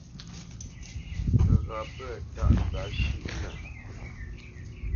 Ghəgha pə̂ tâʼ nzǎp shʉʼnə.